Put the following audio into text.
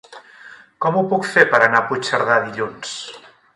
Com ho puc fer per anar a Puigcerdà dilluns?